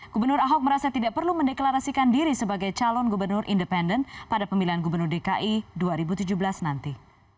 gubernur ahok merasa tidak perlu mendeklarasikan diri sebagai calon gubernur independen pada pemilihan gubernur dki dua ribu tujuh belas nanti